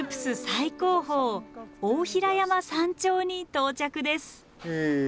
最高峰大平山山頂に到着です。